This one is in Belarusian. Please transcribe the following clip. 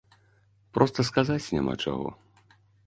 Проста сказаць няма чаго.